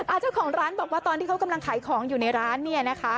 เจ้าของร้านบอกว่าตอนที่เขากำลังขายของอยู่ในร้านเนี่ยนะคะ